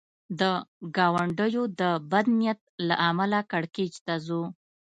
د ګاونډیو د بد نیت له امله کړکېچ ته ځو.